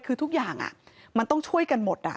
คือทุกอย่างมันต้องช่วยกันหมด